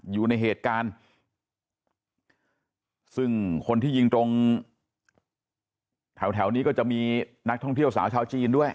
อยู่ในเหตุการณ์ซึ่งคนที่ยิงตรงแถวแถวนี้ก็จะมีนักท่องเที่ยวสาวชาวจีนด้วย